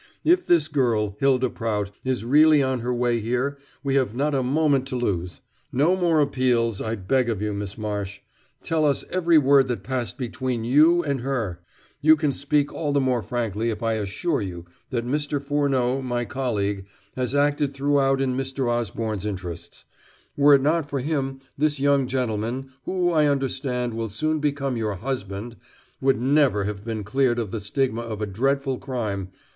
If this girl, Hylda Prout, is really on her way here we have not a moment to lose. No more appeals, I beg of you, Miss Marsh. Tell us every word that passed between you and her. You can speak all the more frankly if I assure you that Mr. Furneaux, my colleague, has acted throughout in Mr. Osborne's interests. Were it not for him this young gentleman, who, I understand, will soon become your husband, would never have been cleared of the stigma of a dreadful crime....